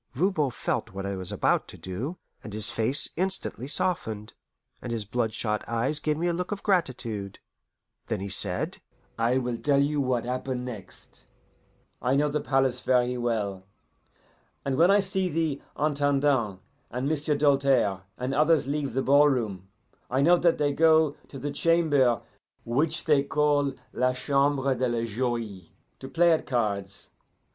Voban felt what I was about to do, and his face instantly softened, and his blood shot eyes gave me a look of gratitude. Then he said: "I will tell you what happen next I know the palace very well, and when I see the Intendant and M'sieu' Doltaire and others leave the ballroom I knew that they go to the chamber which they call 'la Chambre de la Joie,' to play at cards.